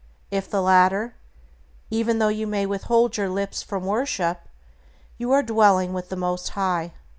If the latter, even though you may withhold your lips from worship, you are dwelling with the Most High.